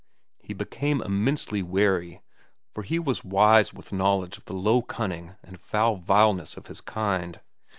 He became immensely wary, for he was wise with knowledge of the low cunning and foul vileness of his kind.